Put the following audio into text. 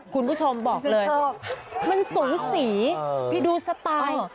คุณผู้ชมบอกเลยมันสูสีไปดูสไตล์